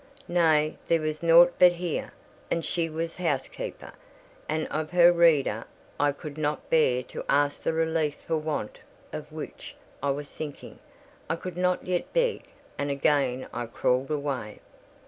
"Nay, there was naught but her, and she was housekeeper;" and of her, reader, I could not bear to ask the relief for want of which I was sinking; I could not yet beg; and again I crawled away.